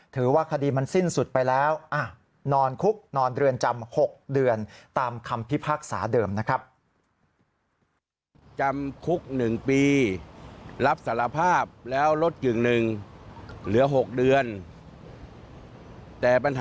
ถือว่าคดีมันสิ้นสุดไปแล้วนอนคุกนอนเรือนจำ๖เดือนตามคำพิพากษาเดิมนะครับ